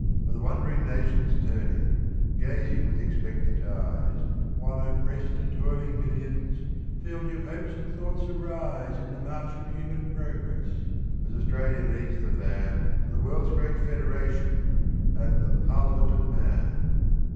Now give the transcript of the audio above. Of the wond'ring nations turning gazing with expectant eyes, While oppress'd and toiling millions feel new hopes and thoughts arise In the march of human progress as Australia leads the van To the world's great Federation, and the "parliament of Man!"